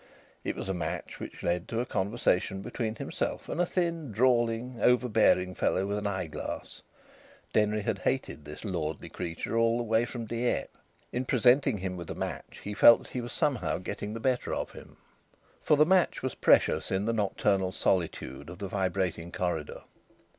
It was a match which led to a conversation between himself and a thin, drawling, overbearing fellow with an eyeglass. Denry had hated this lordly creature all the way from Dieppe. In presenting him with a match he felt that he was somehow getting the better of him, for the match was precious in the nocturnal solitude of the vibrating corridor.